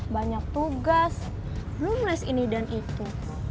banyak tugas belum nulis ini dan itu